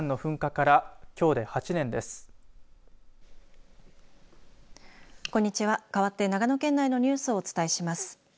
かわって長野県内のニュースをお伝えします。